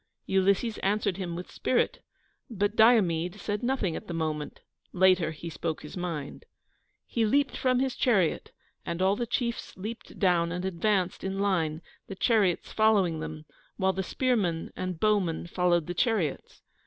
Ulysses answered him with spirit, but Diomede said nothing at the moment; later he spoke his mind. He leaped from his chariot, and all the chiefs leaped down and advanced in line, the chariots following them, while the spearmen and bowmen followed the chariots.